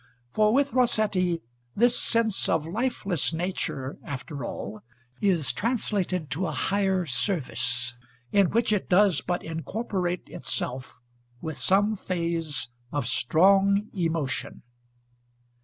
For with Rossetti this sense of lifeless nature, after all, is translated to a higher service, in which it does but incorporate itself with some phase of strong emotion.